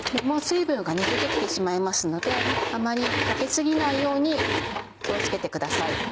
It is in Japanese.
もう水分が出て来てしまいますのであまりかけ過ぎないように気を付けてください。